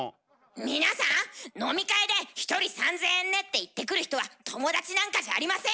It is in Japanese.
皆さん飲み会で「１人３，０００円ね」って言ってくる人は友達なんかじゃありません！